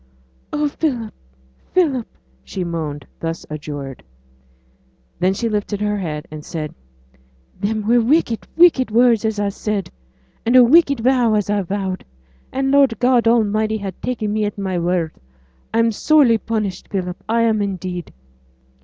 'Oh, Philip! Philip!' she moaned, thus adjured. Then she lifted her head, and said, 'Them were wicked, wicked words, as I said; and a wicked vow as I vowed; and Lord God Almighty has ta'en me at my word. I'm sorely punished, Philip, I am indeed.'